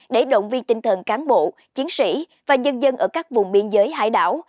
để động viên tinh thần cán bộ chiến sĩ và nhân dân ở các vùng biên giới hải đảo